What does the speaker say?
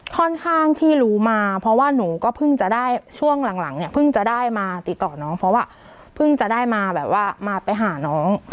ค่อนข้างที่รู้มาเพราะว่าหนูก็เพิ่งจะได้ช่วงหลังเนี่ยเพิ่งจะได้มาติดต่อน้องเพราะว่าเพิ่งจะได้มาแบบว่ามาไปหาน้อง